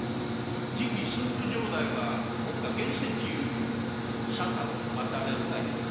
次期駿府城代は目下厳選中ゆえ沙汰を待たれるがよい。